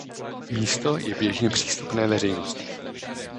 Místo je běžně přístupné veřejnosti.